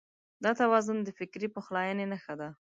دا توازن د فکري پخلاينې نښه ده.